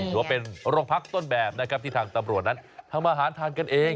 ถือว่าเป็นโรงพักต้นแบบนะครับที่ทางตำรวจนั้นทำอาหารทานกันเอง